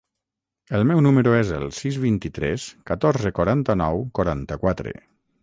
El meu número es el sis, vint-i-tres, catorze, quaranta-nou, quaranta-quatre.